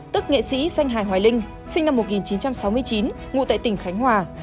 tức nghệ sĩ sanh hải hoài linh sinh năm một nghìn chín trăm sáu mươi chín ngụ tại tỉnh khánh hòa